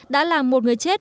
đã làm một người chết